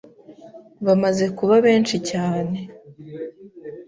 bamaze kuba benshi cyane